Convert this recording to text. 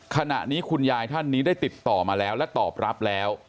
ขณะนี้คุณยายท่านนี้ได้ติดต่อมาแล้วและตอบรับแล้ว